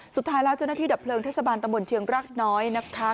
สุดท้ายแล้วเจ้าหน้าที่ดับเพลิงเทศบาลตะบนเชียงรักน้อยนะคะ